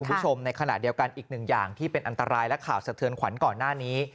คุณผู้ชมในขณะเดียวกันอีกหนึ่งอย่างที่เป็นอันตรายและข่าวสะเทือนขวัญก่อนหน้านี้